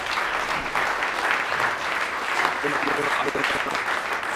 তবে মামলার বাদীপক্ষ থেকে প্রত্যাহার আবেদন বাতিলের কোনো আবেদন করা হয়নি আদালতে।